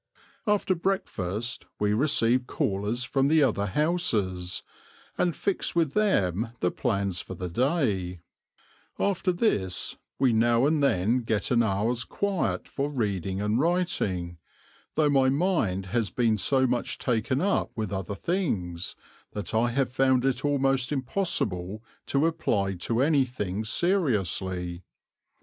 After breakfast we receive callers from the other houses, and fix with them the plans for the day; after this, we now and then get an hour's quiet for reading and writing, though my mind has been so much taken up with other things, that I have found it almost impossible to apply to anything seriously.